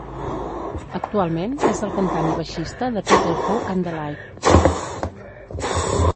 Actualment és el cantant i baixista de Peter Hook and the Light.